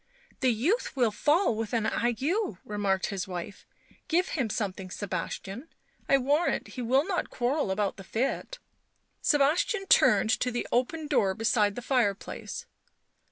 " The youth will fall with an ague," remarked his wife. " Give him something, Sebastian, I warrant he will not quarrel about the fit." Sebastian turned to the open door beside the fire place.